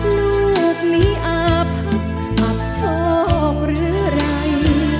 ลูกนี้อาภักษ์อับโทษหรือไร